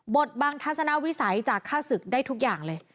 บทบังทัศนวิสัยจากฆ่าศึกได้ทุกอย่างเลย